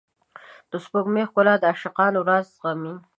د سپوږمۍ ښکلا د عاشقانو رازونه زغمي.